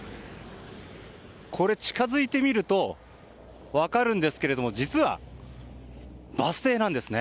近づいてみると分かるんですけど実はバス停なんですね。